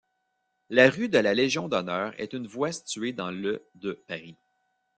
La rue de la Légion-d'Honneur est une voie située dans le de Paris.